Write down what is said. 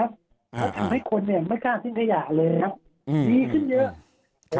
ก็ทำให้คนเนี่ยไม่กล้าทิ้งขยะแล้วดีขึ้นเยอะ